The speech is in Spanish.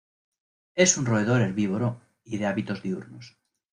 Es un roedor herbívoro y de hábitos diurnos.